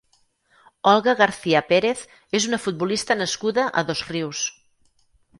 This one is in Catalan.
Olga García Pérez és una futbolista nascuda a Dosrius.